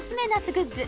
グッズ